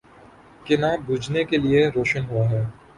کہ نہ بجھنے کے لیے روشن ہوا ہے۔